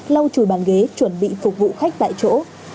lau chùi bàn ghế chuẩn bị phục vụ khách tại chỗ